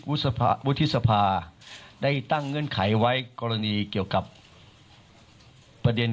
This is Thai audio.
วุฒิสภาได้ตั้งเงื่อนไขไว้กรณีเกี่ยวกับประเด็น